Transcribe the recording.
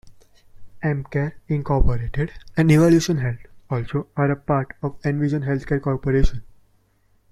EmCare, Incorporated and Evolution Health also are part of Envision Healthcare Corporation.